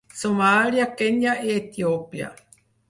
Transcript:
Somàlia, Kenya i Etiòpia.